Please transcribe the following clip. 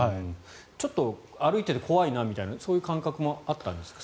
ちょっと歩いていて怖いなというそういう感覚もあったんですか？